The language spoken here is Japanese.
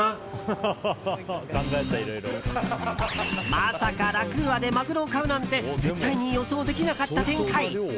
まさかラクーアでマグロを買うなんて絶対に予想できなかった展開。